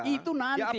itu nanti tobas